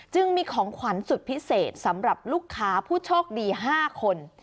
จึงมีของขวัญสุดพิเศษสำหรับลูกค้าผู้โชคดี๕คน